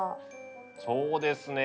そうですね